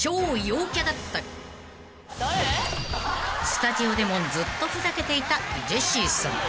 ［スタジオでもずっとふざけていたジェシーさん］